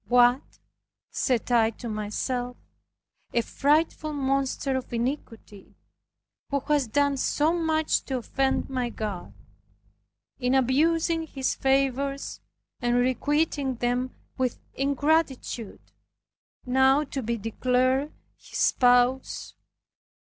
"What (said I to myself) a frightful monster of iniquity, who has done so much to offend my God, in abusing His favors, and requiting them with ingratitude, now to be declared his spouse!"